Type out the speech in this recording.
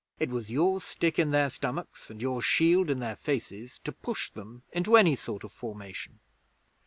It was your stick in their stomachs and your shield in their faces to push them into any sort of formation.